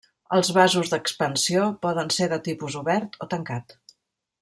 Els vasos d'expansió poden ser de tipus obert o tancat.